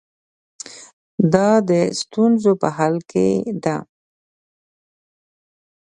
دا د ستونزو په حل کې ده.